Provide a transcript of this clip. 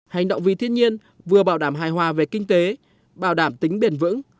hành động vì thiên nhiên vừa bảo đảm hài hòa về kinh tế bảo đảm tính bền vững